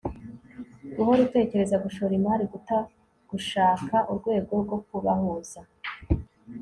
Guhora utekereza gushora imari guta gushaka urwego rwo kubahuza